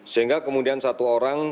sehingga kemudian satu orang